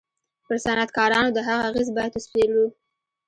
پر صنعتکارانو د هغه اغېز بايد و څېړو.